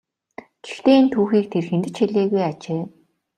Гэхдээ энэ түүхийг тэр хэнд ч хэлээгүй ажээ.